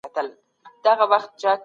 موږ به ژر بريالي سو.